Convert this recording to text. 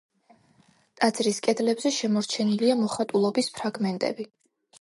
ტაძრის კედლებზე შემორჩენილია მოხატულობის ფრაგმენტები.